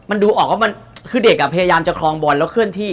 มันดูออกว่ามันคือเด็กอ่ะพยายามจะคลองบอลแล้วเคลื่อนที่